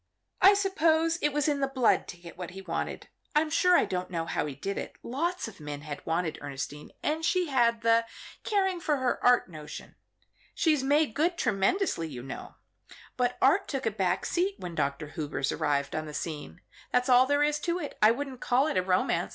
I suppose it was in the blood to get what he wanted. I'm sure I don't know how he did it. Lots of men had wanted Ernestine, and she had the caring for her art notion she's made good tremendously, you know but art took a back seat when Dr. Hubers arrived on the scene. That's all there is to it. I wouldn't call it a romance.